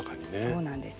そうなんです。